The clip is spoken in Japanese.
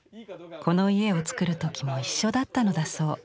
この家を造る時も一緒だったのだそう。